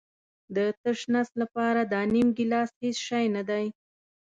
د تش نس لپاره دا نیم ګیلاس هېڅ شی نه دی.